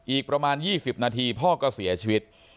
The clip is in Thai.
อีกประมาณ๒๐นาทีพ่อก็เสียชีวิต